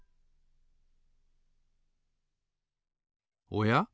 おや？